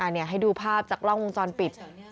นี่ให้ดูภาพจากกล้องวงจรปิด